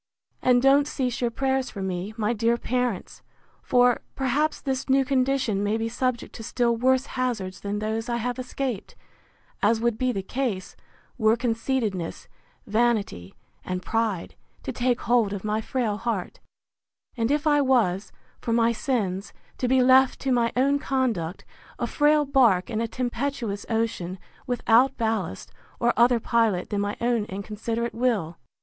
And don't cease your prayers for me, my dear parents; for, perhaps, this new condition may be subject to still worse hazards than those I have escaped; as would be the case, were conceitedness, vanity, and pride, to take hold of my frail heart; and if I was, for my sins, to be left to my own conduct, a frail bark in a tempestuous ocean, without ballast, or other pilot than my own inconsiderate will.